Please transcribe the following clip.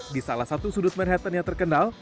di salah satu sudut manhattan yang terkenal